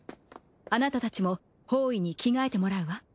あなたたちも法衣に着替えてもらうわ。